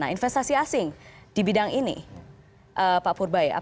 terima kasih pak purban